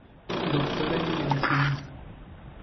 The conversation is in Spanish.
Doctora en medicina.